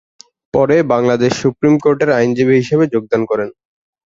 পরে বাংলাদেশ সুপ্রিম কোর্টের আইনজীবী হিসেবে যোগদান করেন।